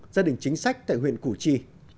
gia đình chính sách tại huyện củ chi